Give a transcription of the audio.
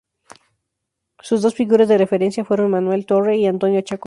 Sus dos figuras de referencia fueron Manuel Torre y Antonio Chacón.